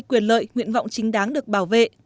quyền lợi nguyện vọng chính đáng được bảo vệ